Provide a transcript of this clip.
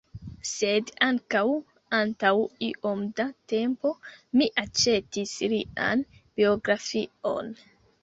Sed, ankaŭ, antaŭ iom da tempo, mi aĉetis lian biografion.